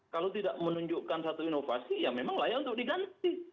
kalau tidak menunjukkan satu inovasi ya memang layak untuk diganti